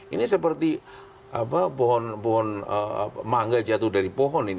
ini seperti pohon mangga jatuh dari pohon